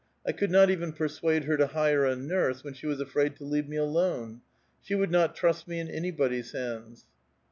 I could not even persuade her to hire a nurse, when she was afraid to leave me alone ; she would not trust me in anybody's hands."